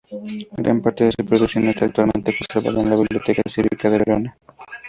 Gran parte de su producción está actualmente conservada en la Biblioteca Cívica de Verona.